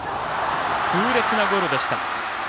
痛烈なゴロでした。